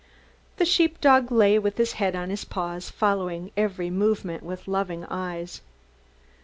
The sheep dog lay with his head on his paws, following every movement with loving eyes.